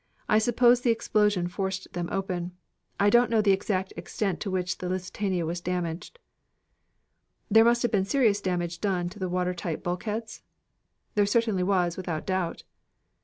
I suppose the explosion forced them open. I don't know the exact extent to which the Lusitania was damaged." "There must have been serious damage done to the water tight bulkheads?" "There certainly was, without doubt."